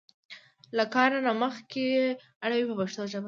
له کار نه مخ مه اړوئ په پښتو ژبه.